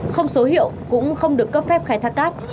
không số hiệu cũng không được cấp phép khai thác cát